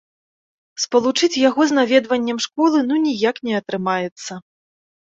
Спалучыць яго з наведваннем школы ну ніяк не атрымаецца.